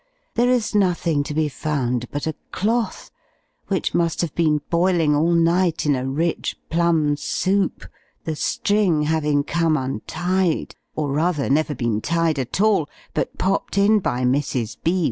there is nothing to be found but a cloth, which must have been boiling all night in a rich plum soup, the string having come untied; or rather, never been tied at all, but popped in by Mrs. B.